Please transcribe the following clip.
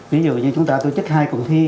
ví dụ như chúng ta tổ chức hai cuộc thi